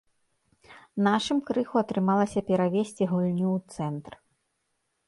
Нашым крыху атрымалася перавесці гульню ў цэнтр.